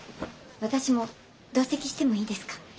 私も同席してもいいですか？